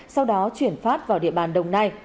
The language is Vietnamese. sau đó chuyển phát vào địa bàn đồng nai